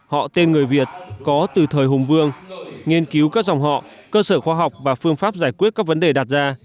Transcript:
họ tên người việt có từ thời hùng vương nghiên cứu các dòng họ cơ sở khoa học và phương pháp giải quyết các vấn đề đặt ra